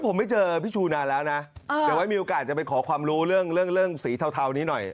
ผมไม่เจอพี่ชูนานแล้วนะเดี๋ยวไว้มีโอกาสจะไปขอความรู้เรื่องเรื่องสีเทานี้หน่อย